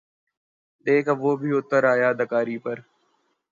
دیکھ اب وہ بھی اُتر آیا اداکاری پر